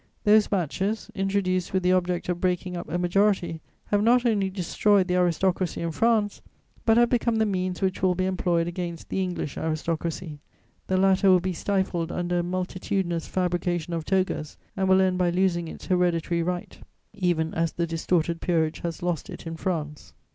Those batches, introduced with the object of breaking up a majority, have not only destroyed the aristocracy in France, but have become the means which will be employed against the English aristocracy; the latter will be stifled under a multitudinous fabrication of togas and will end by losing its hereditary right, even as the distorted peerage has lost it in France.